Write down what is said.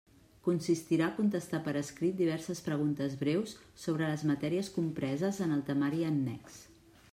Consistirà a contestar per escrit diverses preguntes breus sobre les matèries compreses en el temari annex.